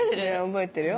覚えてるよ